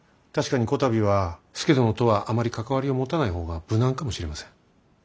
確かにこたびは佐殿とはあまり関わりを持たない方が無難かもしれません。